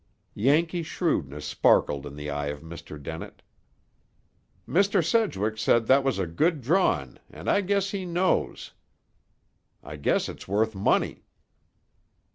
Yankee shrewdness sparkled in the eye of Mr. Dennett. "Mr. Sedgwick said that was a good drawin', and I guess he knows. I guess it's worth money."